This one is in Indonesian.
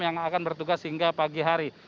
yang akan bertugas hingga pagi hari